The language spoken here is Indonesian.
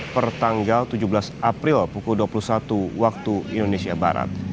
pertanggal tujuh belas april pukul dua puluh satu waktu indonesia barat